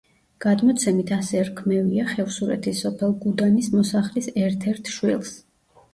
გადმოცემით ასე რქმევია ხევსურეთის სოფელ გუდანის მოსახლის ერთ-ერთ შვილს.